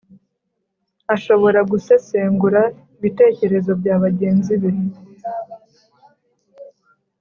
ashobora gusesengura ibitekerezo bya bagenzi be